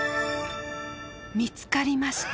見つかりました！